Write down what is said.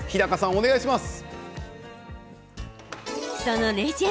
お願いします。